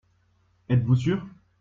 Êtes-vous sûr ?